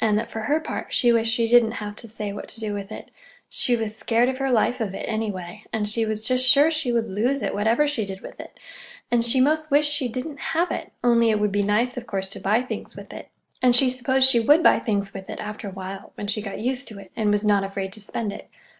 and that, for her part, she wished she didn't have to say what to do with it. She was scared of her life of it, anyway, and she was just sure she should lose it, whatever she did with it; and she 'most wished she didn't have it, only it would be nice, of course, to buy things with it—and she supposed she would buy things with it, after a while, when she got used to it, and was not afraid to spend it.